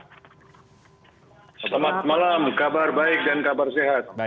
selamat malam kabar baik dan kabar sehat